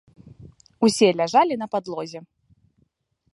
Усе ляжалі на падлозе.